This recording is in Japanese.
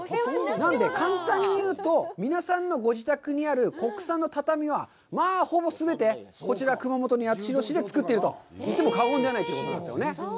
なんで簡単に言うと、皆さんのご自宅にある国産の畳は、まあ、ほぼ全て、こちら、熊本の八代市で作っていると言っても過言じゃないということなんですね。